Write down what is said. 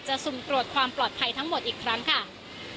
สุ่มตรวจความปลอดภัยทั้งหมดอีกครั้งค่ะ